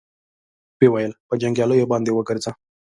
ويې ويل: په جنګياليو باندې وګرځه.